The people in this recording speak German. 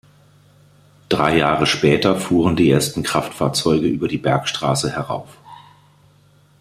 Drei Jahre später fuhren die ersten Kraftfahrzeuge über die Bergstraße herauf.